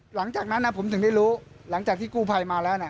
หลังจากนั้นผมถึงได้รู้หลังจากที่กู้ภัยมาแล้ว